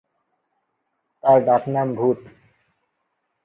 তার ডাকনাম ভূত।